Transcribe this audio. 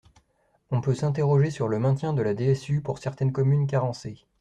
On peut s’interroger sur le maintien de la DSU pour certaines communes carencées.